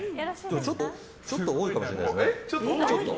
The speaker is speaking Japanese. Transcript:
ちょっと多いかもしれないですね。